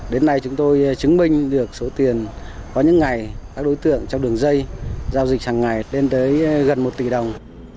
đến nay chúng tôi chứng minh được số tiền có những ngày các đối tượng trong đường dây giao dịch hàng ngày lên tới gần một tỷ đồng